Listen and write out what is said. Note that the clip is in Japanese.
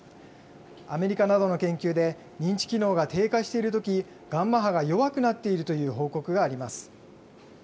アメリカなどの研究で、認知機能が低下しているとき、ガンマ波が弱くなっているという報告があります。